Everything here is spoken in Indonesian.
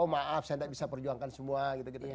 oh maaf saya tidak bisa perjuangkan semua gitu gitu